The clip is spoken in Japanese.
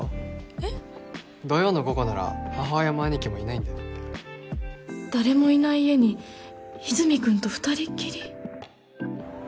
えっ？土曜の午後なら母親も兄貴もいないんで誰もいない家に和泉君と二人っきり？